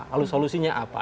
lalu solusinya apa